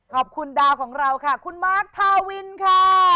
ขอบคุณดาวของเราค่ะคุณมาร์คทาวินค่ะ